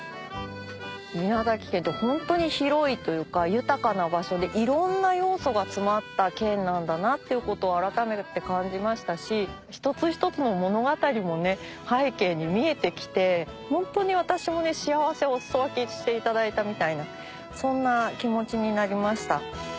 宮崎県ってホントに広いというか豊かな場所でいろんな要素が詰まった県なんだなっていうことを改めて感じましたし一つ一つの物語も背景に見えてきてホントに私も幸せをお裾分けしていただいたみたいなそんな気持ちになりました。